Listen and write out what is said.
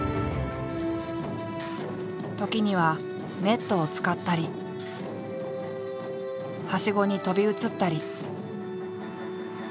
時にはネットを使ったりはしごに飛び移ったり。